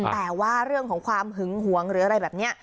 แต่ว่าเรื่องของความหึงหวงหรืออะไรแบบนี้